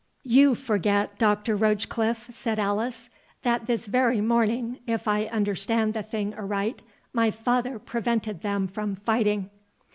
"You forget, Doctor Rochecliffe," said Alice, "that this very morning, if I understand the thing aright, my father prevented them from fighting."